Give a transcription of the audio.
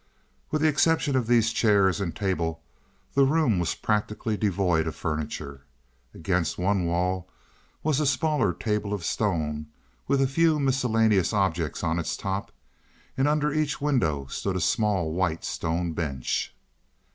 With the exception of these chairs and table, the room was practically devoid of furniture. Against one wall was a smaller table of stone, with a few miscellaneous objects on its top, and under each window stood a small white stone bench.